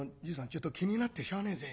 ちょっと気になってしゃあねえぜ。